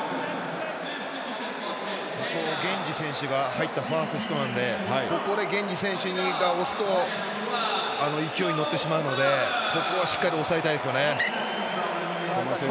ゲンジ選手が入ったファーストスクラムでここでゲンジ選手が押すと勢いに乗ってしまうのでここはしっかり押さえたいですよね。